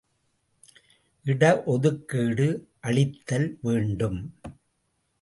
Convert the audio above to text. இடஒதுக்கீடு அளித்தல் வேண்டும்.